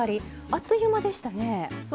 あっという間でしたね。